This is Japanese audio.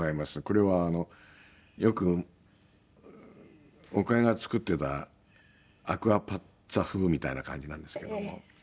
これはよく岡江が作ってたアクアパッツァ風みたいな感じなんですけども。